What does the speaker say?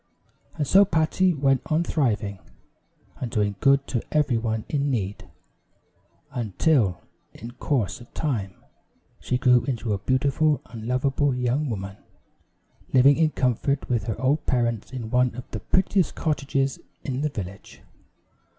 And so Patty went on thriving, and doing good to every one in need, until in course of time, she grew into a beautiful and lovable young woman, living in comfort with her old parents in one of the prettiest cottages in the village.